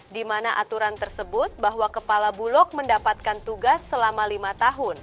di mana aturan tersebut bahwa kepala bulog mendapatkan tugas selama lima tahun